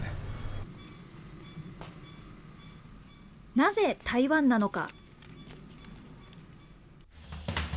なぜ台湾なのか。